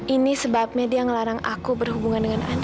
ini sebabnya dia ngelarang aku berhubungan dengan anak